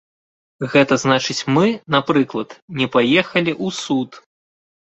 Гэта значыць мы, напрыклад, не паехалі ў суд.